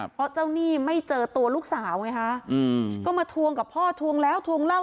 เพราะเจ้าหนี้ไม่เจอตัวลูกสาวไงคะก็มาทวงกับพ่อทวงแล้วทวงเล่า